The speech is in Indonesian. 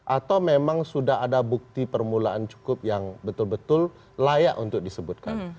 atau memang sudah ada bukti permulaan cukup yang betul betul layak untuk disebutkan